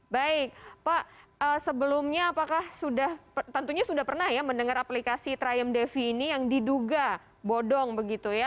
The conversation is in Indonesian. baik pak sebelumnya apakah sudah tentunya sudah pernah ya mendengar aplikasi triam devi ini yang diduga bodong begitu ya